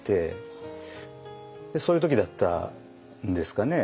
そういう時だったんですかね。